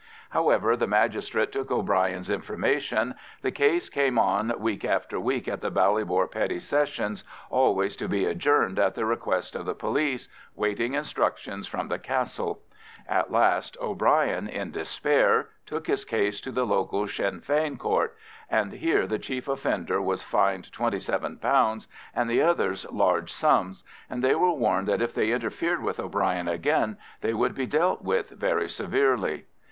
However, the magistrate took O'Brien's information, the case came on week after week at the Ballybor Petty Sessions, always to be adjourned at the request of the police, waiting instruction from the Castle. At last O'Brien, in despair, took his case to the local Sinn Fein Court; and here the chief offender was fined £27 and the others large sums, and they were warned that if they interfered with O'Brien again they would be dealt with very severely.